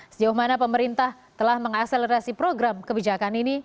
sejauh mana pemerintah telah mengakselerasi program kebijakan ini